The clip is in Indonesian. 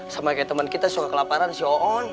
sama kayak temen kita suka kelaparan si oon